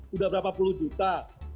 sudah berapa puluh juta